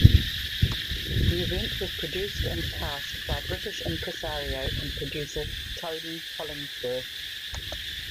The event was produced and cast by British impresario and producer Tony Hollingsworth.